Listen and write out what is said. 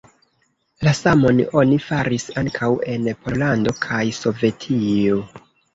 La samon oni faris ankaŭ en Pollando kaj Sovetio.